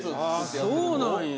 ああそうなんや。